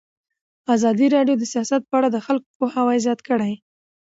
ازادي راډیو د سیاست په اړه د خلکو پوهاوی زیات کړی.